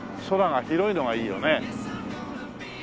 空が広いのがいいよね。